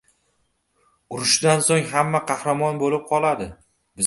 • Urushdan so‘ng hamma qahramon bo‘lib qoladi.